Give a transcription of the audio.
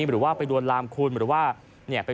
หรือว่าไปลวนลามคุณหรือว่า